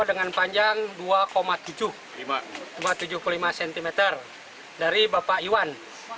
dengan panjang dua tujuh puluh lima cm dari bapak iwan